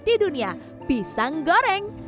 di dunia pisang goreng